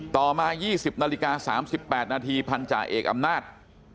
ต่อมา๒๐นาฬิกา๓๘นาทีพันธาเอกอำนาจ